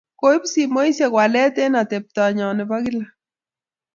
Koib simosyek walet eng' atepto nyo ne bo kila.